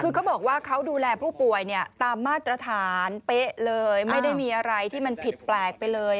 คือเขาบอกว่าเขาดูแลผู้ป่วยเนี่ยตามมาตรฐานเป๊ะเลยไม่ได้มีอะไรที่มันผิดแปลกไปเลย